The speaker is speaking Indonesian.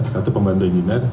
satu pembantu inginer